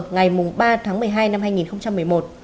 ngày ba tháng một mươi hai năm hai nghìn một mươi một